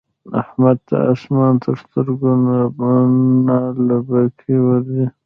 احمد ته اسمان تر سترګو نعلبکی ورځي.